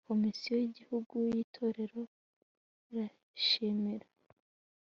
komisiyo y'igihugu y'itorero irashimira